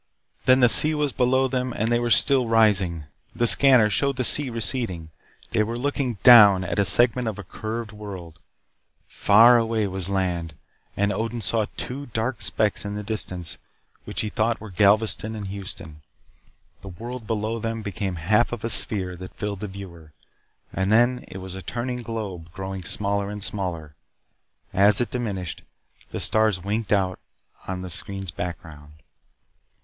Then the sea was below them and they were still rising. The scanner showed the sea receding. They were looking down at a segment of a curved world. Far away was land, and Odin saw two dark specks in the distance which he thought were Galveston and Houston. The world below them became half of a sphere that filled the viewer. And then it was a turning globe, growing smaller and smaller. As it diminished, the stars winked out on the screen's background.